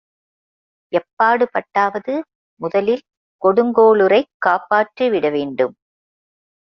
எப்பாடுபட்டாவது முதலில் கொடுங்கோளுரைக் காப்பாற்றி விட வேண்டும்.